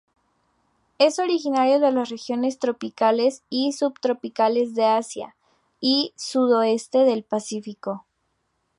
Es originario de las regiones tropicales y subtropicales de Asia y sudoeste del Pacífico.